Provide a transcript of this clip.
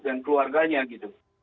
dan keluarganya gitu